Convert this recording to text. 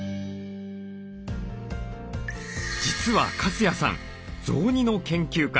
実は粕谷さん雑煮の研究家。